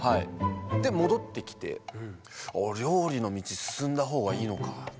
戻ってきて「料理の道進んだほうがいいのか」。